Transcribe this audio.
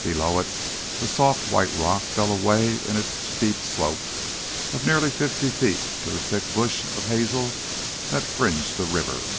Below it the soft, white rock fell away in a steep slope of nearly fifty feet to the thick bush of hazel that fringed the river.